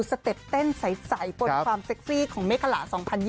สเต็ปเต้นใสบนความเซ็กซี่ของเมฆขลา๒๐๒๐